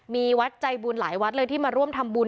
มีวัดใจบุญหลายวัดเลยที่มาร่วมทำบุญ